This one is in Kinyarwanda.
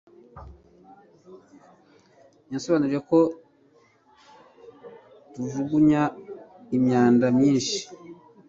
Yansobanuriye ko tujugunya imyanda myinshi